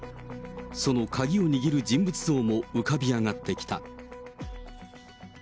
その鍵を握る人物像も浮かび上がってきた。